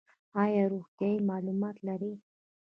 ایا روغتیایی معلومات لرئ؟